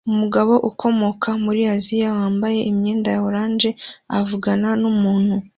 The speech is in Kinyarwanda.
Umugore ukomoka muri Aziya wambaye imyenda ya orange avugana numuntu